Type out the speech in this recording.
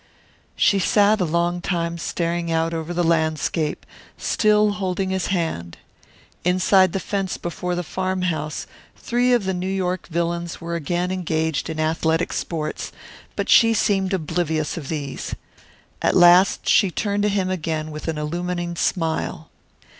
She sat a long time staring out over the landscape, still holding his hand. Inside the fence before the farmhouse three of the New York villains were again engaged in athletic sports, but she seemed oblivious of these. At last she turned to him again with an illumining smile.